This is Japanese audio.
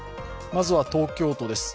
まずは東京都です